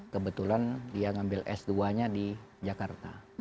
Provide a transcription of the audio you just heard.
kebetulan dia ngambil s dua nya di jakarta